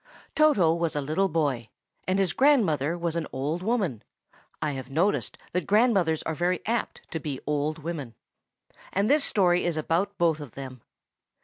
TOTO was a little boy, and his grandmother was an old woman (I have noticed that grandmothers are very apt to be old women); and this story is about both of them.